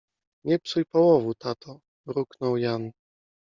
— Nie psuj połowu, tato! — mruknął Jan.